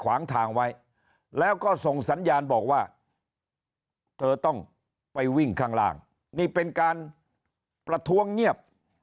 ขวางทางไว้แล้วก็ส่งสัญญาณบอกว่าเธอต้องไปวิ่งข้างล่างนี่เป็นการประท้วงเงียบ